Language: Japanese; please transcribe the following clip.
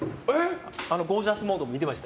ゴージャスモードも見てました。